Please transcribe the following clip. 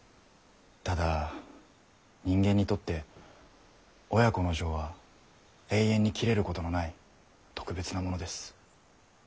ただ人間にとって親子の情は永遠に切れることのない特別なものです。